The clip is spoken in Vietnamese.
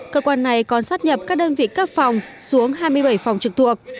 cơ quan này còn sát nhập các đơn vị cấp phòng xuống hai mươi bảy phòng trực thuộc